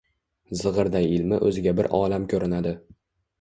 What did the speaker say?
Zig’irday ilmi o’ziga bir olam ko’rinadi